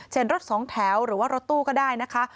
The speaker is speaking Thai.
รถสองแถวหรือว่ารถตู้ก็ได้นะคะ